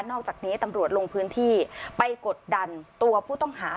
อกจากนี้ตำรวจลงพื้นที่ไปกดดันตัวผู้ต้องหา